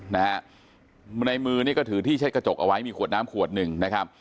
ในมือนี่ก็ถือที่เช็ดกระจกเอาไว้มีขวดน้ำขวดหนึ่งนะครับ